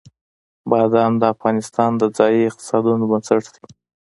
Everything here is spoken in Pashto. بادام د افغانستان د ځایي اقتصادونو بنسټ دی.